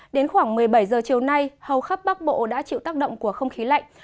đến khoảng một mươi bảy giờ chiều nay hầu khắp bắc bộ đã chịu tác động của không khí lạnh